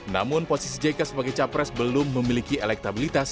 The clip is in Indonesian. namun posisi jk sebagai capres belum memiliki elektabilitas